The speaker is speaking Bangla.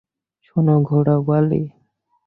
শোনো, ঘোড়াওয়ালী।